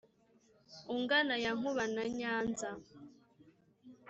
ungana ya nkuba na nyanza